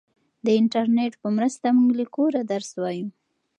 د انټرنیټ په مرسته موږ له کوره درس وایو.